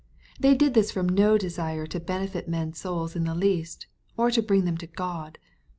They did this from no desiro to benefit men's souls in the least, or to bring them to God.